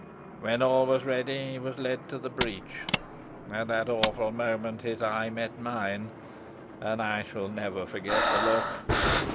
When all was ready he was led to the breach. At that awful moment, his eye met mine, and I shall never forget the look.